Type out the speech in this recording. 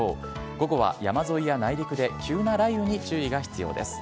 午後は山沿いや内陸で急な雷雨に注意が必要です。